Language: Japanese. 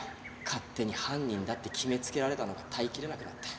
勝手に犯人だって決めつけられたのが耐えきれなくなって。